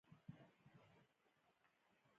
نیت مې وکړ، چې اغوستی یونیفورم هم وکاږم.